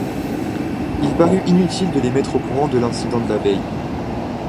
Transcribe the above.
Il parut inutile de les mettre au courant de l’incident de la veille.